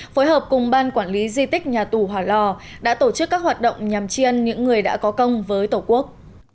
phối hợp cùng ban quản lý di tích nhà tù hòa lò đã tổ chức các hoạt động nhằm chiên những người đã có công với tổ quốc